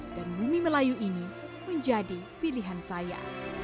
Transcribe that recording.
dan bumi melayu ini menjadi pilihan saya